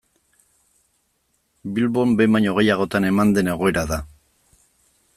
Bilbon behin baino gehiagotan eman den egoera da.